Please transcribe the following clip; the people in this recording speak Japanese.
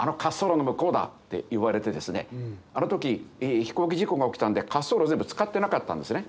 あの時飛行機事故が起きたんで滑走路全部使ってなかったんですね。